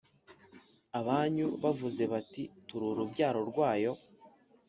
abanyu bavuze bati Turi urubyaro rwayo